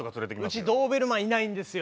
うちドーベルマンいないんですよ。